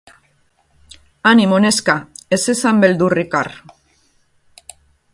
Animo, neska, ez ezan beldurrik har.